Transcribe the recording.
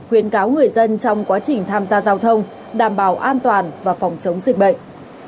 khuyến cáo người dân trong quá trình tham gia giao thông đảm bảo an toàn và phòng chống dịch bệnh